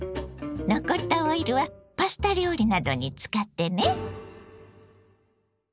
残ったオイルはパスタ料理などに使ってね。